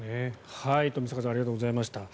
冨坂さんありがとうございました。